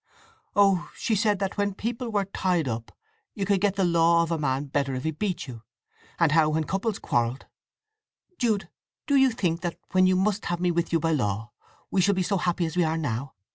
"Oh, she said that when people were tied up you could get the law of a man better if he beat you—and how when couples quarrelled… Jude, do you think that when you must have me with you by law, we shall be so happy as we are now?